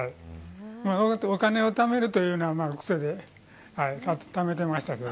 お金をためるというのは、くせでためてましたけど。